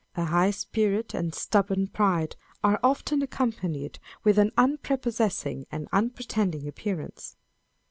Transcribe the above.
A high spirit and stubborn pride are often accompanied with an unprepossessing and unpretending appearance.